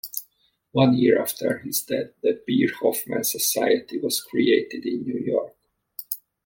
One year after his death the Beer-Hofmann Society was created in New York.